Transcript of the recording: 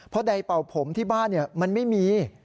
เพราะใดเป่าผมที่บ้านมันไม่มี